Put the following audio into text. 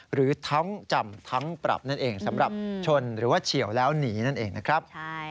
หรือทั้งจำทั้งปรับนั่นเองสำหรับชนหรือว่าเฉียวแล้วหนีนั่นเองนะครับ